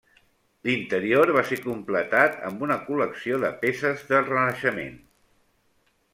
L'interior va ser completat amb una col·lecció de peces de Renaixement.